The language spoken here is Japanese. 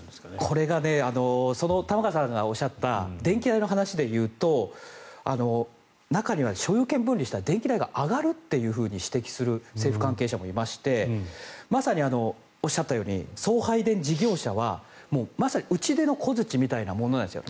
これが玉川さんがおっしゃった電気代の話でいうと中には所有権分離したら電気代が上がるって指摘する政府関係者もいましてまさにおっしゃったように送配電事業者はまさに打ち出の小づちみたいなものなんですよ。